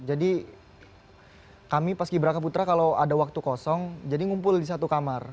jadi kami paski berangkap putra kalau ada waktu kosong jadi ngumpul di satu kamar